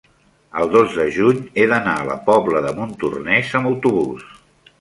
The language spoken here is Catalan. el dos de juny he d'anar a la Pobla de Montornès amb autobús.